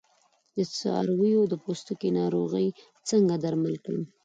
د څارویو د پوستکي ناروغۍ څنګه درمل کړم؟